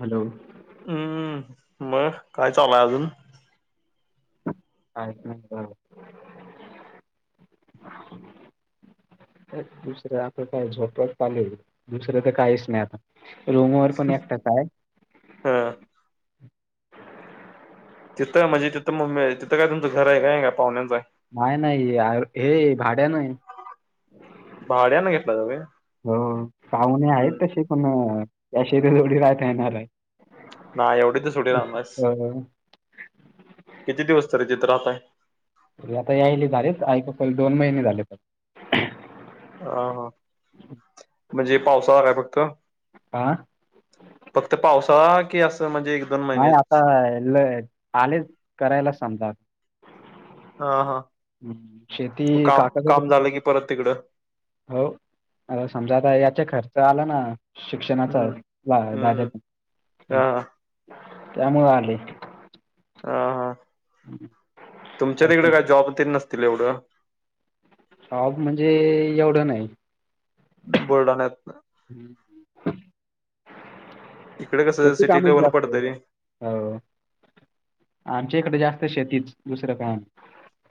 Hello. हम्म मग काय चाललय अजून. काहीच नाही बरं. [unintelligible] अ दुसरं आता झोपट लेले दुसरं तर काहीच नाही आता. रूमवर पण एकटाच आहे. हां. तिथं म्हणजे तिथं मग मिळेल तिथं काय तुमचं घर आहे काय का पाहुण्यांच आहे. काय नाहीय नाही हे भाड्याने हे. भाड्यानं घेतला का हो पाहुणे हम्म आहेत तसे. पण याश ते जोडी राहता येणार आहे. नाही एवढीच तर सुट्टी राहणास अ किती दिवस तरी तिथ राहत आहेत. त आता यायले झालेच आई पप्पाला दोन महिने झाले तर. हा हा म्हणजे पावसाळा का फक्त. हा फक्त पावसाळा की असं म्हणजे. दोन नाही आता महिनेच ल आले करायलाच सांगतात. हा हा हु शेती काम काम काकासाठी झालं की परत तिकडं हो अर समजा आता याचा खर्च आला ना शिक्षणाचा हम्म दा हम्म दाद्याचा ह हा त्यामुळे आलेय आ तुमच्या तिकडे काय जॉब तरी नसतील एवढं ऑब म्हणजे एवढं नाही बुलडान्यात ह इकडे कसं त्याची सिटी काम लेव्हल जास्त पडतं हे रे हो आमच्या इकडे जास्त शेतीच दुसरं काय नाही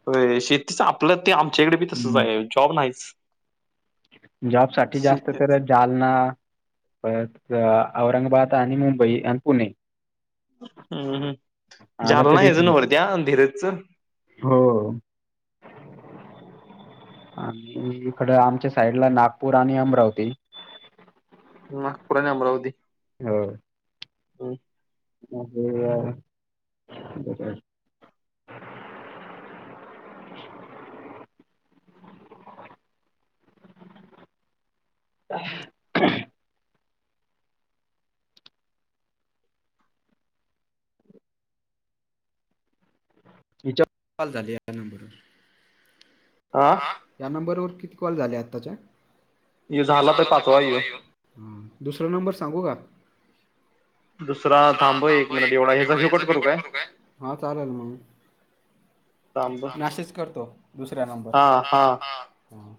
होय शेतीच आपलं ते आमच्याकडे भी तसच आहे हम्म. जॉब नाहीच जॉब साठी जास्त शेतीत करत जालना परत औरंगाबाद आणि मुंबई आणि पुणे हम्म हम् आलं जालना तरी हज नवररत धीरेजच हो अ ऊजवीकड आमच्या साईड ला नागपूर आणि अमरावती नागपुर आणि अमरावती हो हम्म मग दग ह [unintelligible] हिच्या कॉल झाली या नंबरून आ या नंबरवरती कॉल झाले आत्ताच्या ये झाला तर पाचवा यो हु दुसरा नंबर सांगू का? दुसरा थांब एक मिनिट एवढा याचा घेव कट करू काय हा चालेल मग. थांब मेसेज करतो दुसऱ्या नंबर हा. हा हा